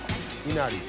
いなり。